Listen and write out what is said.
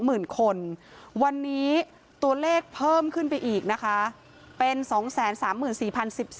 หมื่นคนวันนี้ตัวเลขเพิ่มขึ้นไปอีกนะคะเป็นสองแสนสามหมื่น